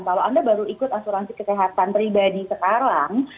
kalau anda baru ikut asuransi kesehatan pribadi sekarang